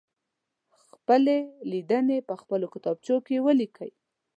خپلې لیدنې په خپلو کتابچو کې ولیکئ.